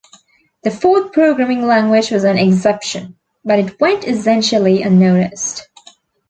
The Forth programming language was an exception, but it went essentially unnoticed.